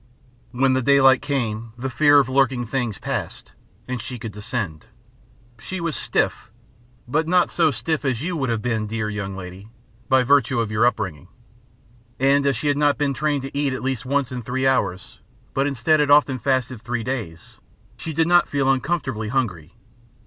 When the daylight came the fear of lurking things passed, and she could descend. She was stiff, but not so stiff as you would have been, dear young lady (by virtue of your upbringing), and as she had not been trained to eat at least once in three hours, but instead had often fasted three days, she did not feel uncomfortably hungry.